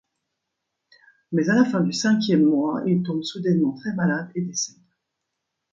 Mais à la fin du cinquième mois, il tombe soudainement très malade et décède.